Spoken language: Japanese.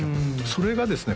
それがですね